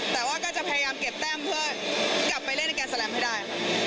แต่ว่าก็จะพยายามเก็บแต้มเพื่อกลับไปเล่นในการแลมให้ได้